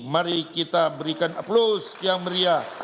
mari kita berikan aplaus yang meriah